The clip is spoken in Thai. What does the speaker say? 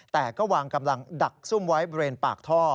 แต่ก็วางกำลังดักซุ่มไว้บริเวณปากท่อ